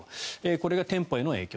これが店舗への影響。